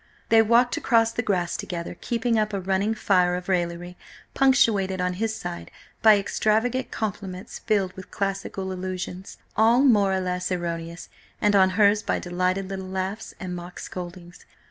They walked across the grass together, keeping up a running fire of raillery, punctuated on his side by extravagant compliments filled with classical allusions, all more or less erroneous, and on hers by delighted little laughs and mock scoldings.